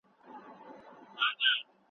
بزګر خپله خاوره په پوره مینه پاللې ده.